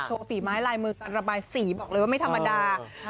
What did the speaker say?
ฝีไม้ลายมือระบายสีบอกเลยว่าไม่ธรรมดา